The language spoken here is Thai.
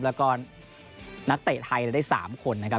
แล้วก็นักเตะไทยได้๓คนนะครับ